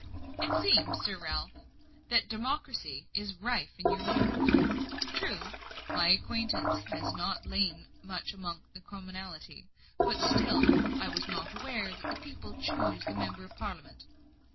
"It seems, Sir Ralph, that democracy is rife in your neighbourhood. True, my acquaintance has not lain much among the commonalty, but still I was not aware that the people choose the Member of Parliament."